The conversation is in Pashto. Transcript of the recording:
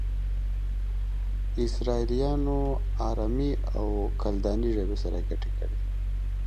اسرائيليانو آرامي او کلداني ژبې سره گډې کړې.